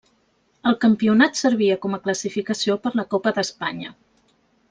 El campionat servia com a classificació per la Copa d'Espanya.